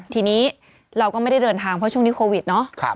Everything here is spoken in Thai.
ทีนี้เราก็ไม่ได้เดินทางเพราะช่วงนี้โควิดเนาะ